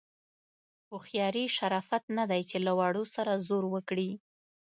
هوښیاري شرافت نه دی چې له وړو سره زور وکړي.